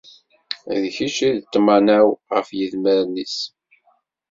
D kečč i d ṭṭmana-w ɣef yidmaren-is.